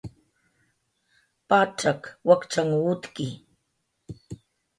Pacxaq wakchanhw utki